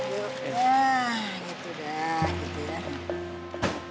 yuk nah gitu dah